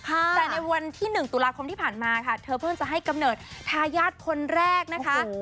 แต่ในวันที่๑ตุลาคมที่ผ่านมาค่ะเธอเพิ่งจะให้กำเนิดทายาทคนแรกนะคะ